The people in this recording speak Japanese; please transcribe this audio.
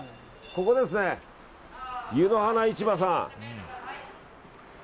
ここですね、湯の華市場さん。